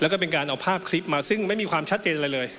แล้วก็เป็นการเอาภาพคลิปมาซึ่งไม่มีความชัดเจนอะไรเลย